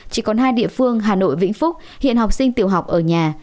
chỉ còn hai địa phương hà nội vĩnh phúc hiện học sinh tiểu học ở nhà